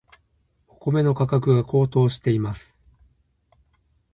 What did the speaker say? お米の価格が高騰しています。